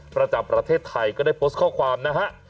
ประจำประเทศไทยก็ได้โพสต์ข้อความนะฮะ